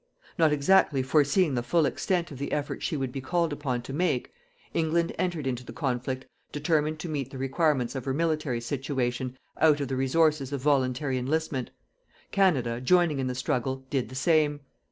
Not exactly foreseeing the full extent of the effort she would be called upon to make, England entered into the conflict determined to meet the requirements of her military situation out of the resources of voluntary enlistment. Canada, joining in the struggle, did the same.